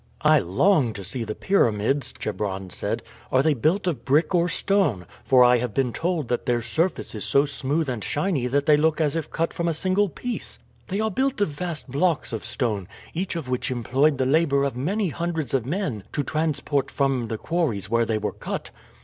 "I long to see the pyramids," Chebron said. "Are they built of brick or stone? for I have been told that their surface is so smooth and shiny that they look as if cut from a single piece." "They are built of vast blocks of stone, each of which employed the labor of many hundreds of men to transport from the quarries where they were cut."